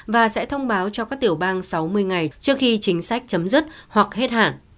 và sẽ thông báo cho các tiểu bang sáu mươi ngày trước khi chính sách chấm dứt hoặc hết hạn